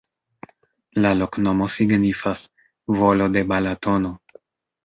La loknomo signifas: volo de Balatono.